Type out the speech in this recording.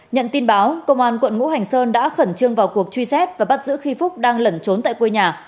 nhận tin báo công an quận ngũ hành sơn đã khẩn trương vào cuộc truy xét và bắt giữ khi phúc đang lẩn trốn tại quê nhà